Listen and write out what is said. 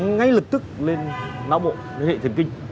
ngay lực tức lên não bộ lên hệ thần kinh